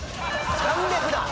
３００だ！